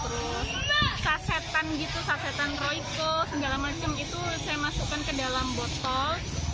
terus sasetan gitu sasetan roycol segala macam itu saya masukkan ke dalam botol